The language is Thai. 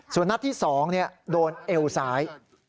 ส่วนนัดที่๒โดนเอวซ้าย